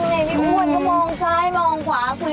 นั่งเห็นกัน